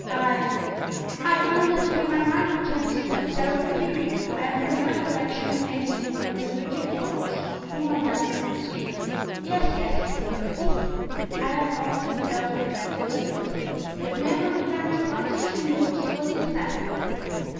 "I—I own that when my mind returns to that terrible period I have no recollection of anything but the rigid corpse of poor Madame Bonancieux. Yes, yes," murmured he, "I have often felt regret for the victim, but never the very slightest remorse for the assassin."